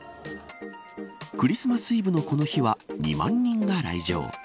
クリスマスイブのこの日は２万人が来場。